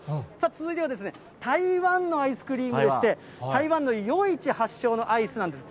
続いては、台湾のアイスクリームでして、台湾の夜市発祥のアイスなんです。